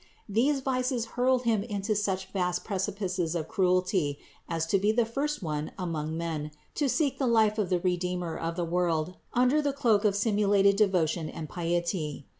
These vices hurled him into such vast precipices of cruelty as to be the first one among men to seek the life of the Redeemer of the world under the cloak of simulated devotion and piety.